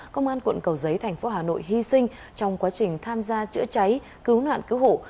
công an quận cầu giấy thành phố hà nội hy sinh trong quá trình tham gia chữa cháy cứu nạn cứu hộ